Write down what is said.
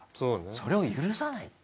それを許さないって。